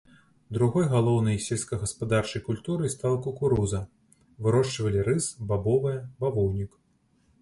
Другой галоўнай сельскагаспадарчай культурай стала кукуруза, вырошчвалі рыс, бабовыя, бавоўнік.